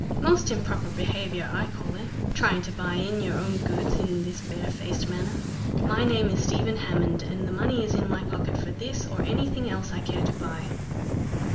"Most improper behavior, I call it, trying to buy in your own goods in this bare faced manner. My name is Stephen Hammonde, and the money's in my pocket for this or anything else I care to buy."